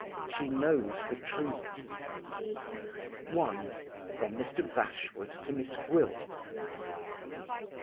SHE KNOWS THE TRUTH. 1. From Mr. Bashwood to Miss Gwilt.